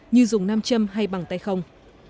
như dùng nam châm hay bằng tay không